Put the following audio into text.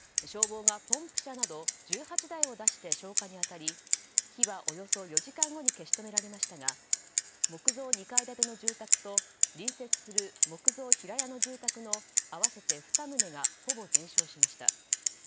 消防がポンプ車など１８台を出して消火に当たり火はおよそ４時間後に消し止められましたが木造２階建ての住宅と隣接する木造平屋の住宅の合わせて２棟がほぼ全焼しました。